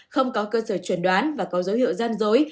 không có cơ sở chuẩn đoán và có dấu hiệu gian dối